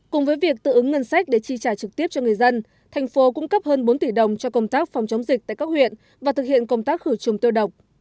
cùng với việc tự ứng ngân sách để chi trả trực tiếp cho người dân thành phố cung cấp hơn bốn tỷ đồng cho công tác phòng chống dịch tại các huyện và thực hiện công tác khử trùng tiêu độc